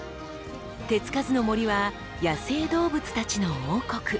手付かずの森は野生動物たちの王国。